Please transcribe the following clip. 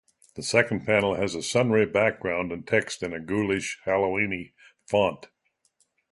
The second panel has a sunray background and text in a ghoulish, Halloweeny font.